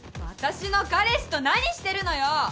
私の彼氏と何してるのよ！？